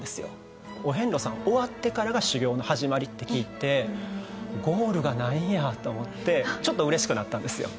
お遍路さん終わってからが修行の始まりって聞いてゴールがないんやと思ってちょっと嬉しくなったんですよ。